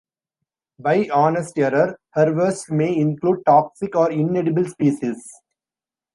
By honest error, harvests may include toxic or inedible species.